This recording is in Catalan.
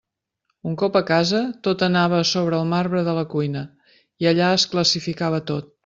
Un cop a casa, tot anava a sobre el marbre de la cuina, i allà es classificava tot.